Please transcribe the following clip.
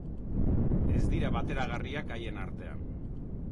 Ez dira bateragarriak haien artean.